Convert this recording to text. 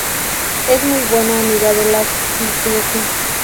Es muy buena amiga de Lacey Turner.